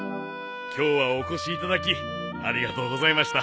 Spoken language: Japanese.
今日はお越しいただきありがとうございました。